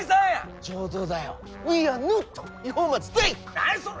何やそれ！